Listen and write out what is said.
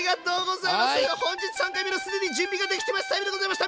本日３回目の「すでに準備ができてますタイム」でございました！